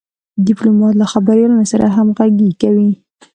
ډيپلومات له خبریالانو سره همږغي کوي.